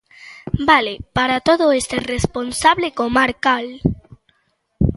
¡Vale para todo este responsable comarcal!